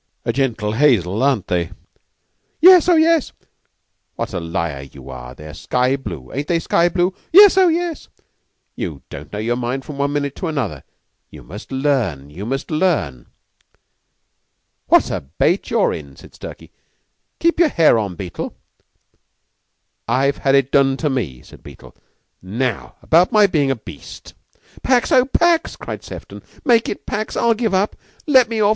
"A gentle hazel, aren't they?" "Yes oh, yes!" "What a liar you are! They're sky blue. Ain't they sky blue?" "Yes oh, yes!" "You don't know your mind from one minute to another. You must learn you must learn." "What a bait you're in!" said Stalky. "Keep your hair on, Beetle." "I've had it done to me," said Beetle. "Now about my being a beast." "Pax oh, pax!" cried Sefton; "make it pax. I'll give up! Let me off!